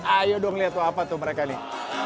ayo dong lihat tuh apa tuh mereka nih